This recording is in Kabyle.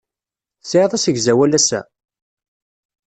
Tesɛiḍ asegzawal ass-a?